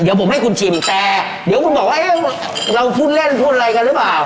เดี๋ยวผมให้คุณชิมแต่เดี๋ยวคุณบอกว่าเอ๊ะเราพูดเล่นพูดอะไรกันหรือเปล่า